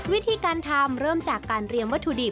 วิธีการทำเริ่มจากการเรียมวัตถุดิบ